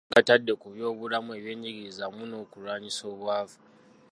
Amaanyi bagatadde ku by'obulamu, ebyenjigiriza wamu n'okulwanyisa obwavu.